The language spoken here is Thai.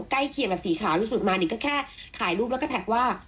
ใกล้เคียงกับสีขาวที่สุดมานิ่งก็แค่ถ่ายรูปแล้วก็แท็กว่า